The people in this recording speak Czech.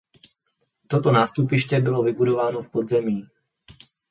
Toto nástupiště bylo vybudováno v podzemí.